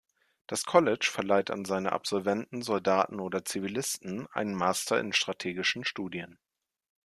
Das College verleiht an seine Absolventen, Soldaten oder Zivilisten, einen Master in Strategischen Studien.